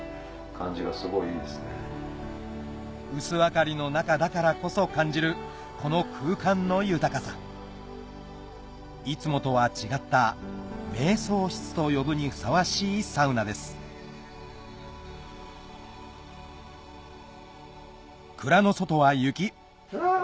薄明かりの中だからこそ感じるこの空間の豊かさいつもとは違った瞑想室と呼ぶにふさわしいサウナです蔵の外は雪あ！